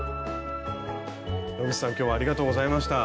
野口さん今日はありがとうございました。